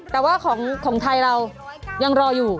แต่ว่าของไทยเรายังรออยู่